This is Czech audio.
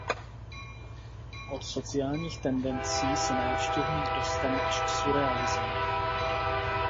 Od sociálních tendencí se návštěvník dostane až k surrealismu.